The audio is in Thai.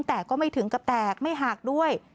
แต่ก็ไม่ถึงกับแตกไม่หักด้วย